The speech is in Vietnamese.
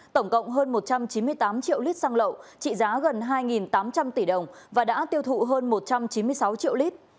tổng cộng hơn một trăm chín mươi tám triệu lít xăng lậu trị giá gần hai tám trăm linh tỷ đồng và đã tiêu thụ hơn một trăm chín mươi sáu triệu lít